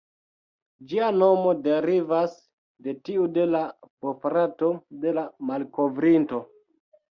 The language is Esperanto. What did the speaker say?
Ĝia nomo derivas de tiu de la bofrato de la malkovrinto.